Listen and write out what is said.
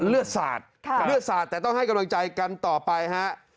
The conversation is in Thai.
เลือดสาดแต่ต้องให้กำลังใจกันต่อไปฮะ